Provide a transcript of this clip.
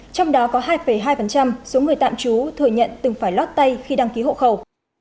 trong đó có hai hai số người tạm trú thừa nhận từng phải lót tay khi đăng ký hộ khẩu